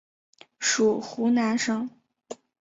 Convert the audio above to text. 属湖南省。